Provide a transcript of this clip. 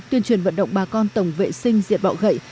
tuyên truyền vận động bà con tổng vệ sinh diệt bọ gậy